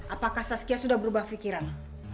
apakah saskia sudah berubah pikiran